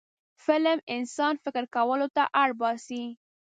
فلم انسان فکر کولو ته اړ باسي